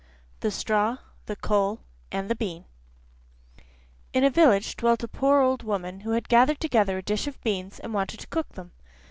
THE STRAW, THE COAL, AND THE BEAN In a village dwelt a poor old woman, who had gathered together a dish of beans and wanted to cook them.